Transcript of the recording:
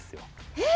えっ？